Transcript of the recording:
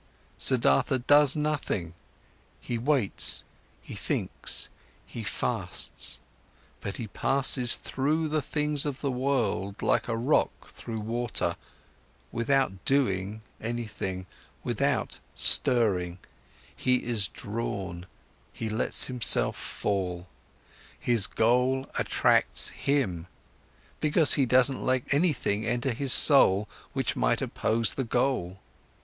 Siddhartha does nothing, he waits, he thinks, he fasts, but he passes through the things of the world like a rock through water, without doing anything, without stirring; he is drawn, he lets himself fall. His goal attracts him, because he doesn't let anything enter his soul which might oppose the goal.